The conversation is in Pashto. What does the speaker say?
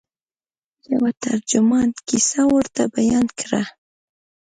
یوه ترجمان کیسه ورته بیان کړه.